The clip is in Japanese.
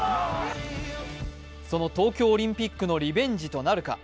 その東京オリンピックのリベンジとなるか。